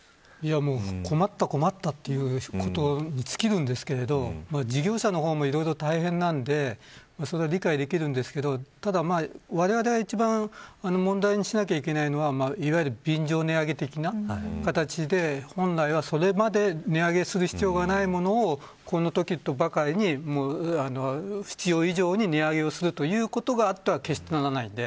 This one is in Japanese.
困った困ったということに尽きますが事業者の方もいろいろ大変なのでそれは理解できますがわれわれが一番問題にしなくちゃいけないのはいわゆる便乗値上げ的な形で本来はそれまで値上げする必要がないものをこのときとばかりに必要以上に値上げをするということがあってはなりません。